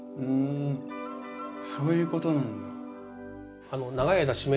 ふんそういうことなんだ。